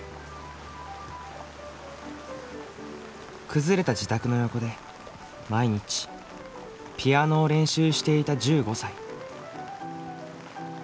崩れた自宅の横で毎日ピアノを練習していた１５歳。